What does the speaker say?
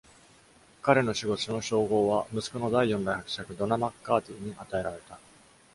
彼の死後、その称号は息子の第四代伯爵 Donough MacCarty に与えられた。